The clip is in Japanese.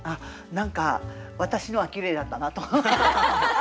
何か私のはきれいだったなと。